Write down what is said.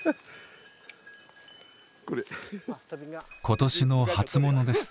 今年の初物です。